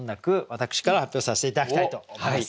私から発表させて頂きたいと思います。